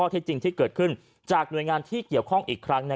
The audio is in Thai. ที่จริงที่เกิดขึ้นจากหน่วยงานที่เกี่ยวข้องอีกครั้ง